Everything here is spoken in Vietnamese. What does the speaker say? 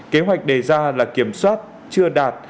kế hoạch đề ra là kiểm soát chưa đạt